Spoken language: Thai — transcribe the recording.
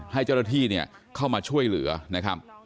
ให้เจ้าหน้าที่เข้ามาช่วยเหลือนะครับ